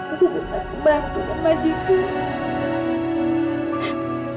untuk bantu dan majikan